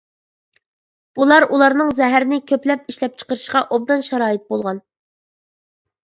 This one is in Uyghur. بۇلار ئۇلارنىڭ زەھەرنى كۆپلەپ ئىشلەپچىقىرىشىغا ئوبدان شارائىت بولغان.